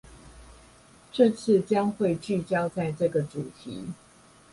這次將會聚焦在這個主題